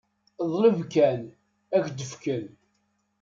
Ḍleb kan, ad k-d-fken.